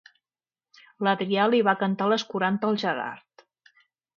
L'Adrià li va cantar les quaranta al Gerard.